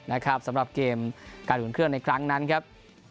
นะครับสำหรับเกมการอุ่นเครื่องในครั้งนั้นครับ